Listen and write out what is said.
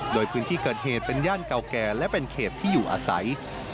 โดยพื้นที่เกิดเหตุเป็นย่านเก่าแก่และเป็นเขตที่อยู่อาศัย